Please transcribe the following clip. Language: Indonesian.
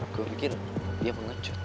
gue pikir dia pengecut